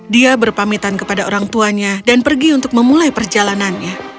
dia berpamitan kepada orang tuanya dan pergi untuk memulai perjalanannya